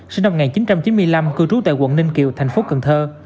sinh năm một nghìn chín trăm chín mươi năm cư trú tại quận ninh kiều thành phố cần thơ